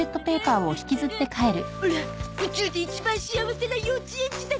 オラ宇宙で一番幸せな幼稚園児だゾ！